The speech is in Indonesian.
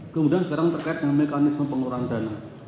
kemudian sekarang terkait dengan mekanisme pengurangan dana